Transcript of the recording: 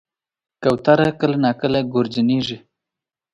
کوتره کله ناکله ګورجنیږي.